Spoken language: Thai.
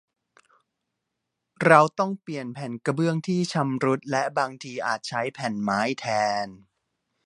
เราต้องเปลี่ยนแผ่นกระเบื้องที่ชำรุด และบางทีอาจใช้แผ่นไม้แทน